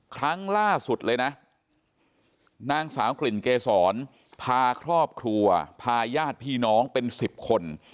ครั้งล่าสุดเลยนะนางสาวกลิ่นเกษรพาครอบครัวพาญาติพี่น้องเป็น๑๐คน